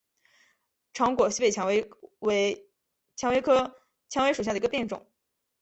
长果西北蔷薇为蔷薇科蔷薇属下的一个变种。